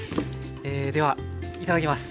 ではいただきます。